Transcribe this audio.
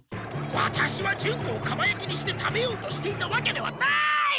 ワタシはジュンコをかばやきにして食べようとしていたわけではない！